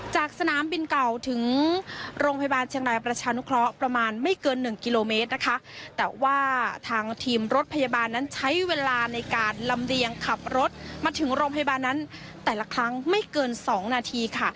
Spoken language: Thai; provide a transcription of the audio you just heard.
จากสนามบินเก่าถึงโรงพยาบาลเชียงรายประชานุเคราะห์ประมาณไม่เกินหนึ่งกิโลเมตรนะคะแต่ว่าทางทีมรถพยาบาลนั้นใช้เวลาในการลำเลียงขับรถมาถึงโรงพยาบาลนั้นแต่ละครั้งไม่เกินสองนาทีค่ะ